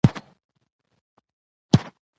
وويلې چې باقيمانده نورې روپۍ هم راوړه.